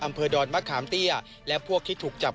จอบประเด็นจากรายงานของคุณศักดิ์สิทธิ์บุญรัฐครับ